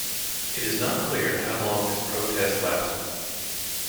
It is not clear how long this protest lasted.